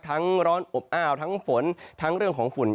ร้อนอบอ้าวทั้งฝนทั้งเรื่องของฝุ่น